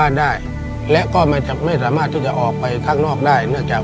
ในแคมเปญพิเศษเกมต่อชีวิตโรงเรียนของหนู